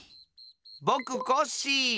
ぼくコッシー！